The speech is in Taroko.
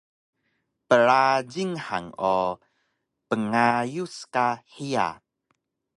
Prajing han o pngayus ka hiya